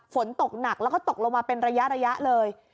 ฝนตกหนักแล้วก็ตกลงมาเป็นระยะเลย